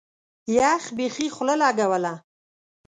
يخ بيخي خوله لګوله.